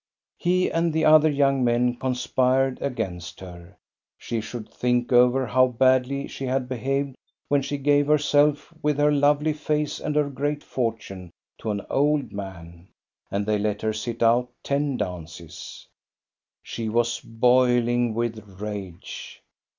He and the other young men conspired against GOSTA BERLING, POET 7I her. She should think over how badly she had be haved when she gave herself with her lovely face and her great fortune to an old man. And they let her sit out ten dances. She was boiling with rage.